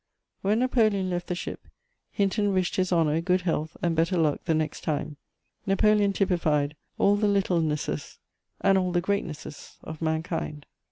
When Napoleon left the ship, Hinton wished "His Honour" good health and better luck the next time. Napoleon typified all the littlenesses and all the greatnesses of mankind.